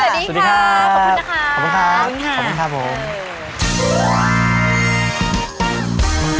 สวัสดีค่ะขอบคุณค่ะ